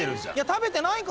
食べてないから。